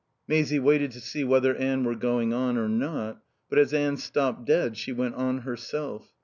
Maisie waited to see whether Anne were going on or not, but as Anne stopped dead she went on herself.